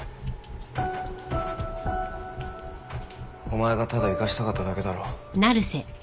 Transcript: お前がただ生かしたかっただけだろ。